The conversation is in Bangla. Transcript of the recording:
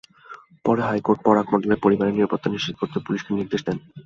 পরে হাইকোর্ট পরাগ মণ্ডলের পরিবারের নিরাপত্তা নিশ্চিত করতে পুলিশকে নির্দেশ দেন।